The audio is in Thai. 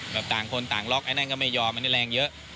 ต่างคนต่างล็อกไอ้นั่นก็ไม่ยอมอันนี้แรงเยอะ